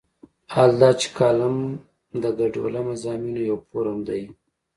حال دا چې کالم د ګډوله مضامینو یو فورم دی.